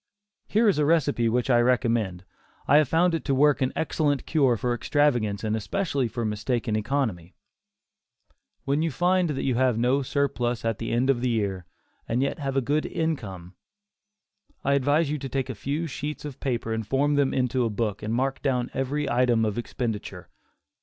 Here is a recipe which I recommend; I have found it to work an excellent cure for extravagance and especially for mistaken economy: When you find that you have no surplus at the end of the year, and yet have a good income, I advise you to take a few sheets of paper and form them into a book and mark down every item of expenditure.